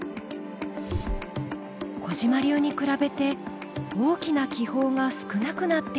小嶋流に比べて大きな気泡が少なくなっています。